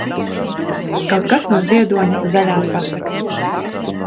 Kaut kas no Ziedoņa "Zaļās pasakas".